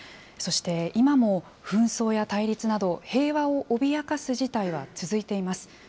そして、今も紛争や対立など、平和を脅かす事態は続いています。